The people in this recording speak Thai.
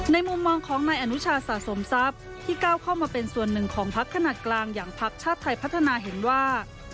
มุมมองของนายอนุชาสะสมทรัพย์ที่ก้าวเข้ามาเป็นส่วนหนึ่งของพักขนาดกลางอย่างพักชาติไทยพัฒนาเห็นว่า